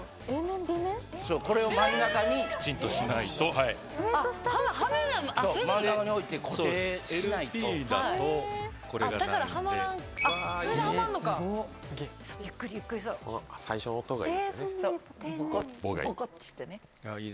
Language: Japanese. これを真ん中にきちんとしな上と下で違う？